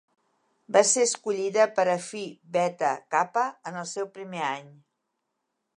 Va ser escollida per a Phi Beta Kappa en el seu primer any.